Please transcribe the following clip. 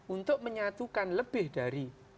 untuk menyatukan lebih dari